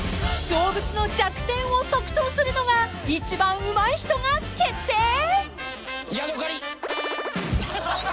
［動物の弱点を即答するのが一番うまい人が決定！？］